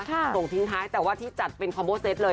ส่งทิ้งท้ายแต่ว่าที่จัดเป็นคอมโบเซตเลย